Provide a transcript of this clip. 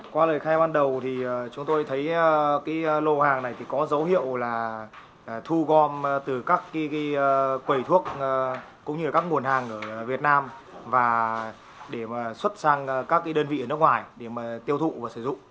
qua lời khai ban đầu thì chúng tôi thấy cái lô hàng này thì có dấu hiệu là thu gom từ các quầy thuốc cũng như là các nguồn hàng ở việt nam và để mà xuất sang các đơn vị ở nước ngoài để mà tiêu thụ và sử dụng